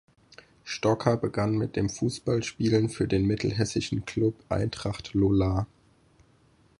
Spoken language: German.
Stocker begann mit dem Fußballspielen für den mittelhessischen Klub Eintracht Lollar.